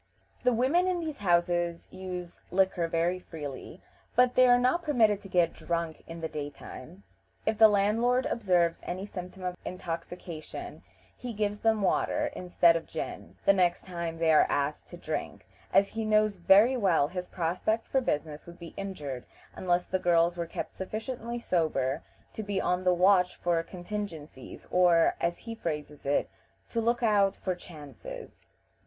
The women in these houses use liquor very freely, but they are not permitted to get drunk in the daytime. If the landlord observes any symptom of intoxication he gives them water, instead of gin, the next time they are asked to drink, as he knows very well his prospects for business would be injured unless the girls were kept sufficiently sober to be on the watch for contingencies, or, as he phrases it, "to look out for chances."